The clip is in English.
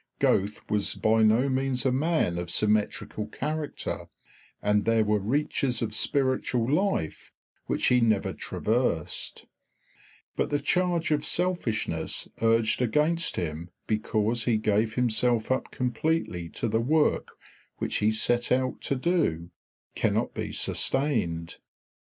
Goethe was by no means a man of symmetrical character, and there were reaches of spiritual life which he never traversed; but the charge of selfishness urged against him because he gave himself up completely to the work which he set out to do cannot be sustained.